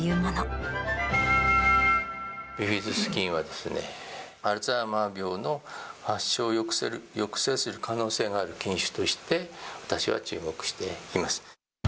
ビフィズス菌は、アルツハイマー病の発症を抑制する可能性がある菌種として、私は注目しています。